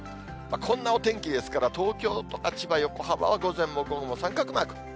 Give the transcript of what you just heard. こんなお天気ですから、東京とか千葉、横浜は午前も午後も三角マーク。